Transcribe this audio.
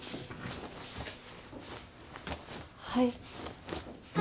はい。